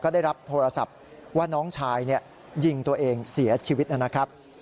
ได้รับโทรศัพท์ว่าน้องชายยิงตัวเองเสียชีวิตนะครับ